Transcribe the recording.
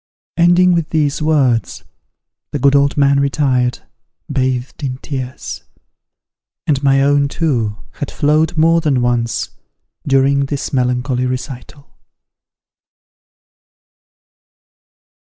Ending with these words, the good old man retired, bathed in tears; and my own, too, had flowed more than once during this melancholy recital.